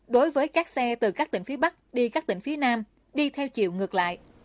đối với các xe từ các tỉnh phía bắc đi các tỉnh phía nam đi theo chiều ngược lại